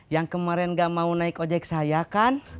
yang kemarin gak mau naik ojek saya kan